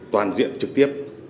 toàn diện trực tiếp